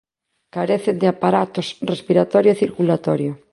Carecen de aparatos respiratorio e circulatorio.